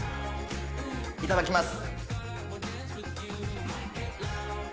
いただきます。